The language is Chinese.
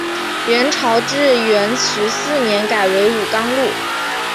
元朝至元十四年改为武冈路。